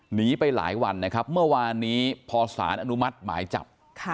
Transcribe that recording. หนีไปหลายวันนะครับเมื่อวานนี้พอสารอนุมัติหมายจับ